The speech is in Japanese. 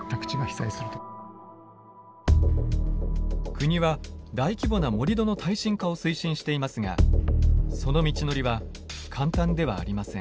国は大規模な盛土の耐震化を推進していますがその道のりは簡単ではありません。